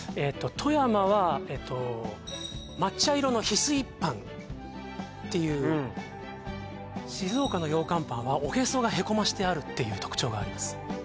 富山は抹茶色のヒスイパンっていう静岡のようかんぱんはおへそがへこましてあるっていう特徴があります